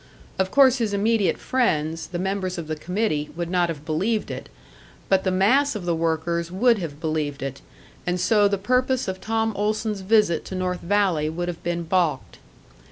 Of course his immediate friends, the members of the committee, would not have believed it; but the mass of the workers would have believed it, and so the purpose of Tom Olson's visit to North Valley would have been balked.